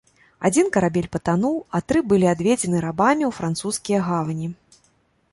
Адзін карабель патануў, а тры былі адведзены рабамі ў французскія гавані.